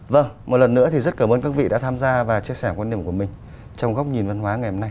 vâng một lần nữa thì rất cảm ơn các vị đã tham gia và chia sẻ quan điểm của mình trong góc nhìn văn hóa ngày hôm nay